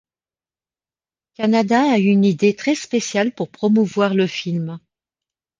Canada a eu une idée très spéciale pour promouvoir le film.